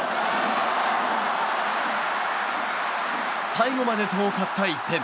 最後まで遠かった１点。